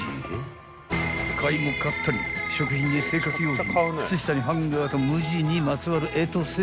［買いも買ったり食品に生活用品靴下にハンガーとムジにまつわるエトセトラ］